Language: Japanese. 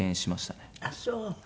ああそう！